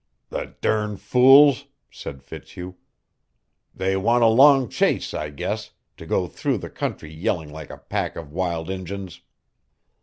"The dern fools!" said Fitzhugh. "They want a long chase, I guess, to go through the country yelling like a pack of wild Injuns."